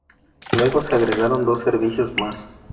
Luego se agregaron dos servicios más.